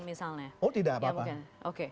misalnya oh tidak bapak